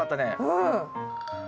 うん。